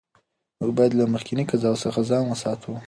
موږ باید له مخکني قضاوت څخه ځان وساتو.